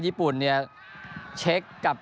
ญี่ปุ่นเนี่ยเช็คกับ